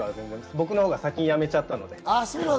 僕のほうが先に辞めちゃったので。